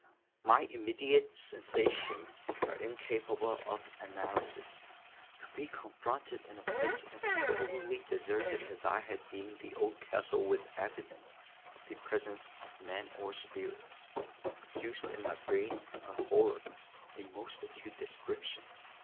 My immediate sensations are incapable of analysis. To be confronted in a place as thoroughly deserted as I had deemed the old castle with evidence of the presence of man or spirit, produced in my brain a horror of the most acute description.